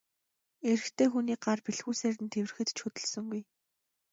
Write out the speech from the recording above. Эрэгтэй хүний гар бэлхүүсээр нь тэврэхэд ч хөдөлсөнгүй.